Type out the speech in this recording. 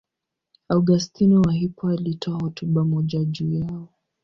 Augustino wa Hippo alitoa hotuba moja juu yao.